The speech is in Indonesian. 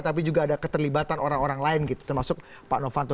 tapi juga ada keterlibatan orang orang lain gitu termasuk pak novanto